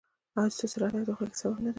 ایا ستاسو راتګ د خوښۍ سبب نه دی؟